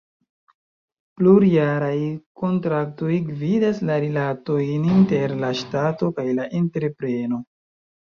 Plurjaraj kontraktoj gvidas la rilatojn inter la Ŝtato kaj la entrepreno.